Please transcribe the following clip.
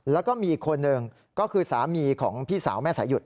แล้วก็มีอีกคนหนึ่งก็คือสามีของพี่สาวแม่สายุด